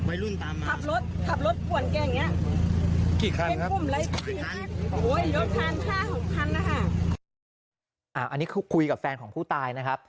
อันนี้คือคุยกับแฟนของผู้ตายนะครับ